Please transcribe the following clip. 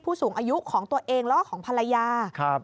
ผู้สูงอายุของตัวเองแล้วก็ของภรรยาครับ